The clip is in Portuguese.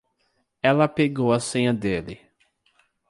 Ela pegou a senha dele.